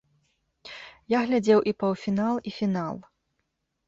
Я глядзеў і паўфінал, і фінал.